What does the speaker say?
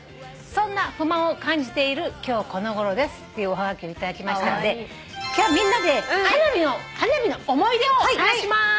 「そんな不満を感じている今日この頃です」っていうおはがきを頂きましたんで今日はみんなで花火の思い出を話しまーす。